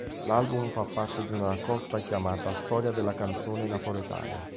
L'album fa parte di una raccolta chiamata "Storia della canzone napoletana".